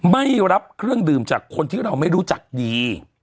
ไม่รับเครื่องดื่มจากคนที่เราไม่รู้จักดี